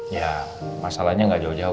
ya masalahnya nggak jauh jauh